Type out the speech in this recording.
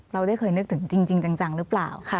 เราได้เคยนึกถึงจริงจังหรือเปล่า